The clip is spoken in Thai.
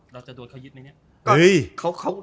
เราจะโดนเขายึดไหมเนี่ย